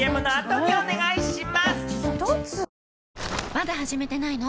まだ始めてないの？